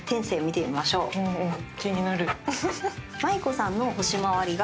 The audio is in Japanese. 気になる。